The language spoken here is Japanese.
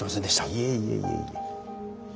いえいえいえいえ。